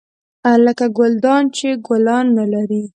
لکه ګلدان چې ګلان نه لري .